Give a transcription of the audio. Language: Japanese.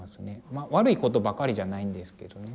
まあ悪いことばかりじゃないんですけどね